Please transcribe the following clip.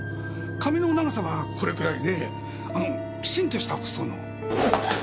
髪の長さはこれくらいできちんとした服装の。